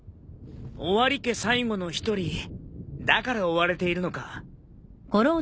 オワリ家最後の一人だから追われているのか。